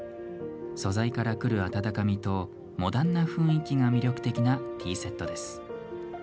素材からくる温かみとモダンな雰囲気が魅力的なティーセットです。